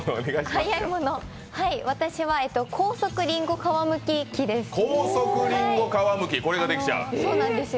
私は高速りんご皮むきです。